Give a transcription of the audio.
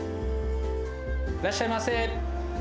いらっしゃいませ。